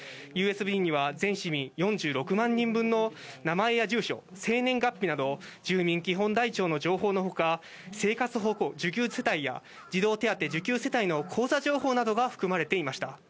ＵＳＢには、全市民４６万人分の名前や住所、生年月日など、住民基本台帳の情報のほか、生活保護受給世帯や、児童手当受給世帯の口座情報などが含まれていました。